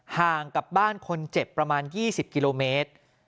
ห่างกับบ้านคนเจ็บประมาณ๒๐กิโลเมตร